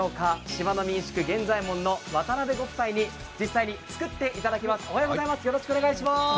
島の民宿源左エ門の渡辺さん夫妻に実際に作っていただきます。